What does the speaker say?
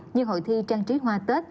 như hội thi trang trí hoa tết